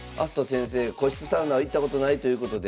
先生個室サウナ行ったことないということで。